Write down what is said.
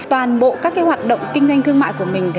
toàn bộ các hoạt động kinh doanh thương mại của mình